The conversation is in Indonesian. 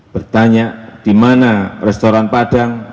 bertanya di mana restoran padang